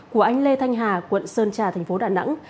của anh lê thanh hà quận sơn trà thành phố đà nẵng